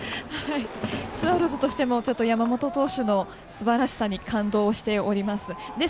スワローズとしても山本投手のすばらしさに感動しております。